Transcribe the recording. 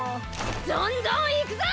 どんどんいくぞ！